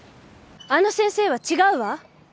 あの先生は違うわ。